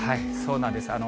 そうなんです。